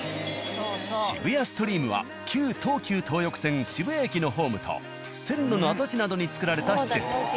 渋谷ストリームは旧東急東横線・渋谷駅のホ―ムと線路の跡地などに作られた施設。